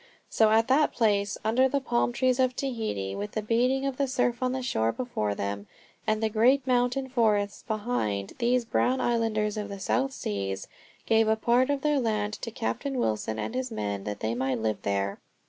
So at that place, under the palm trees of Tahiti, with the beating of the surf on the shore before them, and the great mountain forests behind, these brown islanders of the South Seas gave a part of their land to Captain Wilson and his men that they might live there.